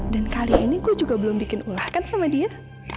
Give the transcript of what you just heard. dan kali ini gua juga belum bikin ulangan sama dia